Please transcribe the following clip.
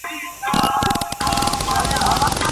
د تودوخې معلومولو کمرې څه کوي؟